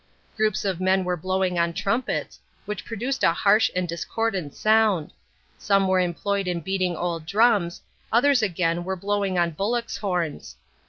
Groups of men were blowing on trumpets, which produced a harsh and discordant sound; some were employed in beating old drums, others again were blowing on bullocks' horns....